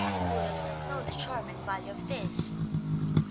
Who does not know the charm and value of this?